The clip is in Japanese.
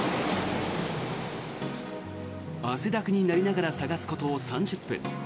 汗だくになりながら探すこと３０分。